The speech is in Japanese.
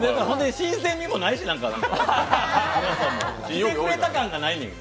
新鮮味もないし、来てくれた感がないねん。